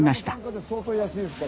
相当安いですから。